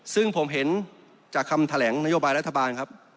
ซึ่งผมเห็นจากคำแถลงนโยบายรัฐบาลครับ